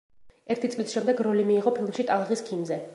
ერთი წლის შემდეგ როლი მიიღო ფილმში „ტალღის ქიმზე“.